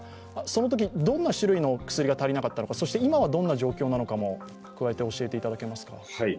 そのとき、どんな種類の薬が足りなかったのか、そして今はどんな状況なのかも加えて教えていただけますか。